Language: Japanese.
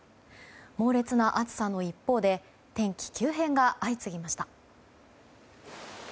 猛烈な暑さの一方で天気急変が相次ぎました。